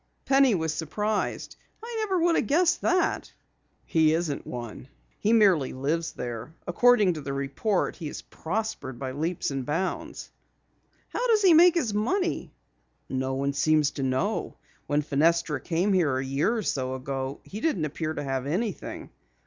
Penny was surprised. "I never would have guessed that." "He isn't one. He merely lives there. According to the report, he has prospered by leaps and bounds." "How does he make his money?" "No one seems to know. When Fenestra came here a year or so ago he didn't appear to have anything.